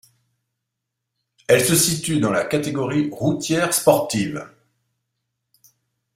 Elle se situe dans la catégorie routière sportive.